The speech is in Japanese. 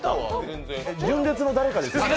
純烈の誰かですよね？